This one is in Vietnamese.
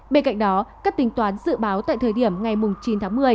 bên cạnh đó các tính toán dự báo tại thời điểm ngày chín tháng một mươi